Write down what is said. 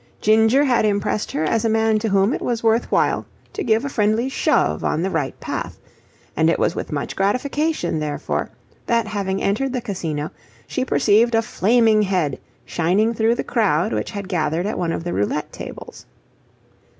Ginger had impressed her as a man to whom it was worth while to give a friendly shove on the right path; and it was with much gratification, therefore, that, having entered the Casino, she perceived a flaming head shining through the crowd which had gathered at one of the roulette tables.